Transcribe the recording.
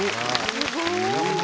すごい。